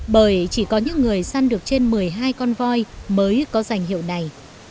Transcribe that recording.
bởi chỉ có những người săn được trên một mươi hai con voi mới có danh hiệu này